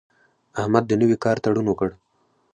احمد د نوي کار تړون وکړ.